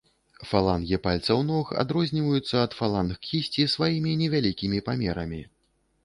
Фалангі пальцаў ног адрозніваюцца ад фаланг кісці сваімі невялікімі памерамі.